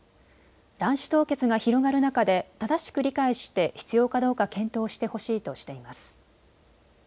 卵子凍結が広がる中で正しく理解して必要かどうか検討してほしいとしています。